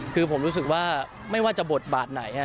คือผมรู้สึกว่าไม่ว่าจะบทบาทไหน